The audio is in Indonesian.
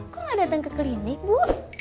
kok gak datang ke klinik bu